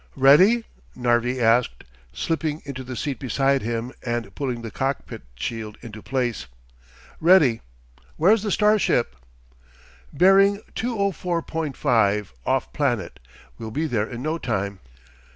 "Ready?" Narvi asked, slipping into the seat beside him and pulling the cockpit shield into place. "Ready. Where's the starship?" "Bearing 204.5, off planet. We'll be there in no time."